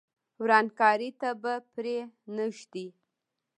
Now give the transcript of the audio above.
ورانکاري ته به پرې نه ږدي.